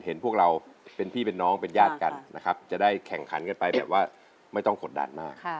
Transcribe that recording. พวกเราเป็นพี่เป็นน้องเป็นญาติกันนะครับจะได้แข่งขันกันไปแบบว่าไม่ต้องกดดันมาก